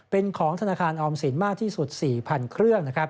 เป็นของธนาคารออมสินมากที่สุด๔๐๐๐เครื่อง